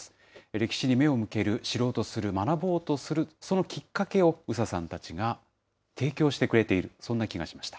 歴史に目を向ける、知ろうとする、学ぼうとする、そのきっかけを宇佐さんたちが提供してくれている、そんな気がしました。